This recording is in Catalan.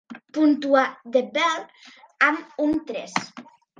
Puntuar "The Bell" amb un tres.